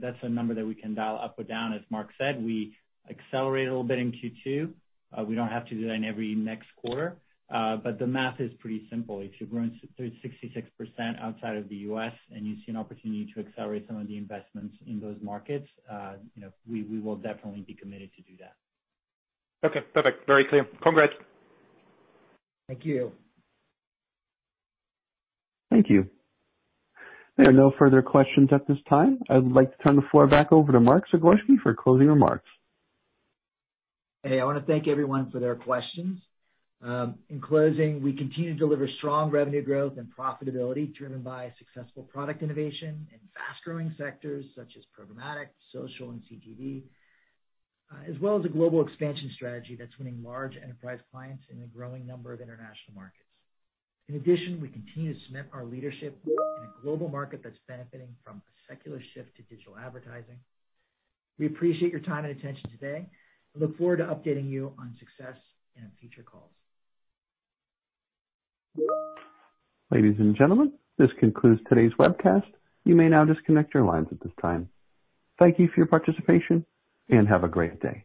That's a number that we can dial up or down. As Mark said, we accelerated a little bit in Q2. We don't have to do that in every next quarter. The math is pretty simple. If you're growing 66% outside of the U.S. and you see an opportunity to accelerate some of the investments in those markets, we will definitely be committed to do that. Okay, perfect. Very clear. Congrats. Thank you. Thank you. There are no further questions at this time. I would like to turn the floor back over to Mark Zagorski for closing remarks. Hey, I want to thank everyone for their questions. In closing, we continue to deliver strong revenue growth and profitability driven by successful product innovation in fast-growing sectors such as programmatic, social, and CTV, as well as a global expansion strategy that's winning large enterprise clients in a growing number of international markets. In addition, we continue to cement our leadership in a global market that's benefiting from a secular shift to digital advertising. We appreciate your time and attention today and look forward to updating you on success in future calls. Ladies and gentlemen, this concludes today's webcast. You may now disconnect your lines at this time. Thank you for your participation, and have a great day.